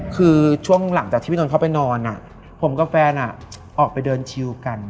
คือช่วงหลังจากที่พี่นนท์เข้าไปนอนผมกับแฟนออกไปเดินชิวกัน